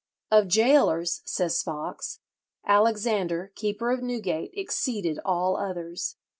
"Of gaolers," says Foxe, "Alexander, keeper of Newgate, exceeded all others."